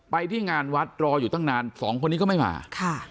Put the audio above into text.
ที่งานวัดรออยู่ตั้งนานสองคนนี้ก็ไม่มาค่ะ